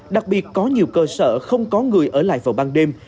đặc biệt có nhiều cơ sở không có người ở lại vào ban đêm